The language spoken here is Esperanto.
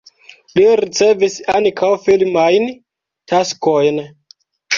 Li ricevis ankaŭ filmajn taskojn.